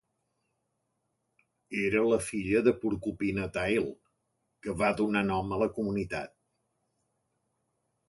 Era la filla de Porcupine Tail, que va donar nom a la comunitat.